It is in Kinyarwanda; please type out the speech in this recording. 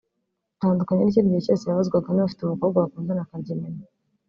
Bitandukanye n’ikindi gihe cyose yabazwaga niba afite umukobwa bakundana akarya iminwa